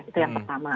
itu yang pertama